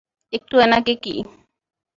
একটু এনাকে কি?